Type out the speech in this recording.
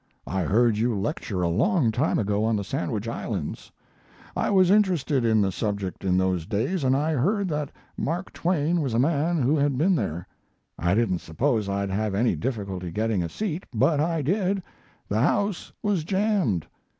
I heard you lecture a long time ago on the Sandwich Islands. I was interested in the subject in those days, and I heard that Mark Twain was a man who had been there. I didn't suppose I'd have any difficulty getting a seat, but I did; the house was jammed.